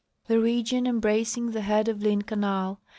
* The region embracing the head of Lynn canal.